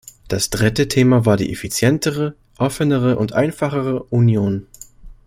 Das dritte Thema war die effizientere, offenere und einfachere Union.